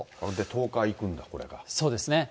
東海行くんだ、そうですね。